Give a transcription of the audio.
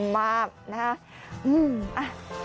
มากนะฮะ